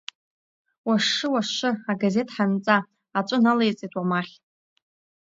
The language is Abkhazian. Уашшы, уашшы, аказеҭ ҳанҵа, аҵәы налеиҵеит Уамахь.